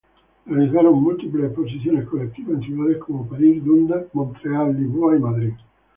Realizaron múltiples exposiciones colectivas en ciudades como París, Dundas, Canadá, Lisboa y Madrid.